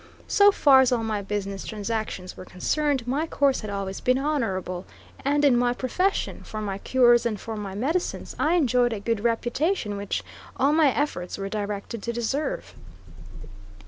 So far as all my business transactions were concerned, my course had always been honorable, and in my profession, for my cures and for my medicines, I enjoyed a good reputation which all my efforts were directed to deserve.